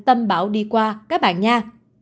tâm bão đi qua các bạn nha